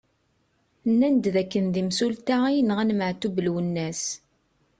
Nnan-d d akken d imsulta i yenɣan Maɛtub Lwennas.